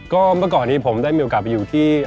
ก็เมื่อก่อนนี้ผมได้มีโอกาสไปอยู่ที่